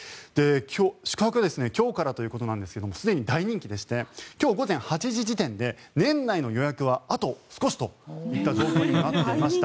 宿泊は今日からということですがすでに大人気でして今日午前８時時点で年内の予約はあと少しといった状況になっていました。